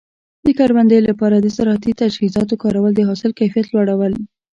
د کروندې لپاره د زراعتي تجهیزاتو کارول د حاصل کیفیت لوړوي.